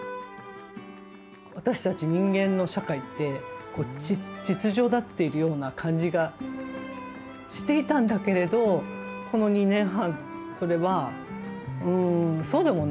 私たち人間の社会って秩序だっているような感じがしていたんだけれどこの２年半、それはそうでもない。